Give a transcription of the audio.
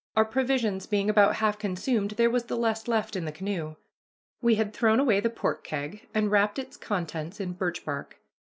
Our provisions being about half consumed, there was the less left in the canoe. We had thrown away the pork keg and wrapped its contents in birch bark.